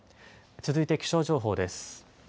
続いて気象情報です。